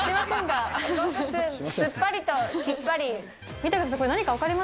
すっぱりと、きっぱり。